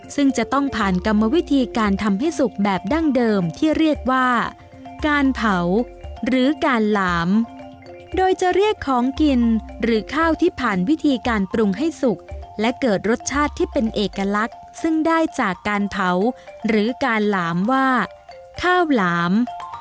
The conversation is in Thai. ซึ่งจะต้องผ่านกรรมวิธีการทำให้สุกแบบดั้งเดิมที่เรียกว่าการเผาหรือการหลามโดยจะเรียกของกินหรือข้าวที่ผ่านวิธีการปรุงให้สุกและเกิดรสชาติที่เป็นเอกลักษณ์ซึ่งได้จากการเผาหรือการหลามว่าข้าวหลาม